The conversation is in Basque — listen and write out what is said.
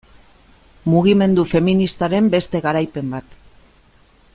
Mugimendu feministaren beste garaipen bat.